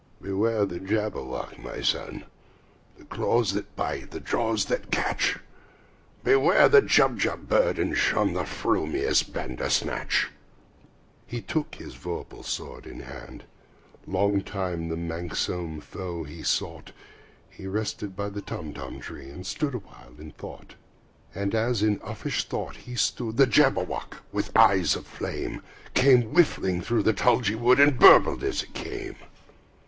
"Beware the Jabberwock, my son! The jaws that bite, the claws that catch! Beware the Jubjub bird, and shun The frumious Bandersnatch!" He took his vorpal sword in hand: Long time the manxome foe he sought So rested he by the Tumtum tree, And stood awhile in thought. And, as in uffish thought he stood, The Jabberwock, with eyes of flame, Came whiffling through the tulgey wood, And burbled as it came!